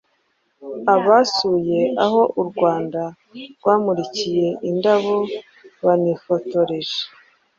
Abasuye aho u Rwanda rwamurikiye indabo banifotoreje